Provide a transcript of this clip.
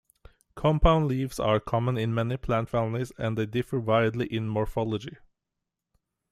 Compound leaves are common in many plant families and they differ widely in morphology.